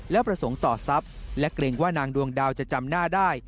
และประสงค์ต่อทรัพย์และเกรงว่านางดวงดาวจะจำหน้าได้